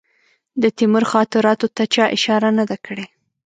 د تیمور خاطراتو ته چا اشاره نه ده کړې.